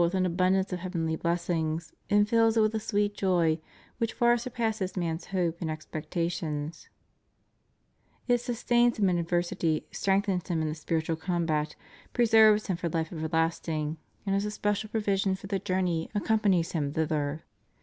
with an abundance of heavenly blessings, and fills it with a sweet joy which far surpasses man's hope and expecta tions; it sustains him in adversity, strengthens him in the spiritual combat, preserves him for life everlasting, and as a special provision for the journey accompanies him thither.